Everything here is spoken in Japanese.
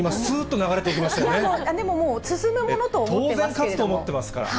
でももう、当然、勝つと思ってますから。